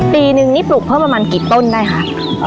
ปีนึงนี่ปลูกเพิ่มประมาณกี่ต้นได้คะ